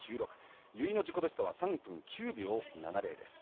由井の自己ベストは３分９秒７０です。